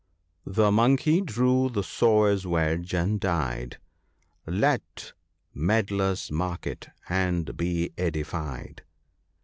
59 (< The Monkey drew the sawyer's wedge, and died Let meddlers mark it, and be edified."